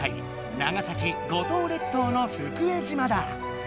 長崎・五島列島の福江島だ。